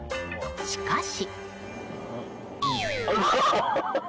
しかし。